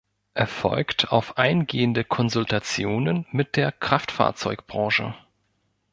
Er folgt auf eingehende Konsultationen mit der Kraftfahrzeugbranche.